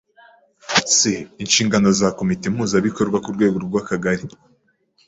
c. Inshingano za Komite Mpuzabikorwa ku rwego rw’Akagari